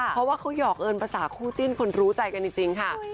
เพราะว่าเขาหอกเอิญภาษาคู่จิ้นคนรู้ใจกันจริงค่ะ